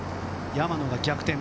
山野が逆転。